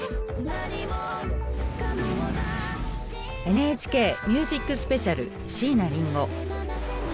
「ＮＨＫＭＵＳＩＣＳＰＥＣＩＡＬ」椎名林檎。